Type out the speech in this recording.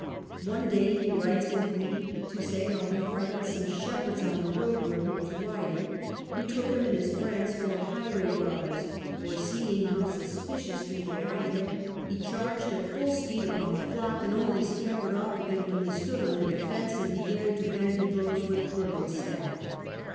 One day he writes in glee to say how he frightened some shepherds on the road where he was riding, who took him and his friends for highway robbers, for, seeing how suspiciously they eyed him, he charged at full speed upon the flock, and only scampered off again when they stood on their defence and began to bandy blows with crook and staff.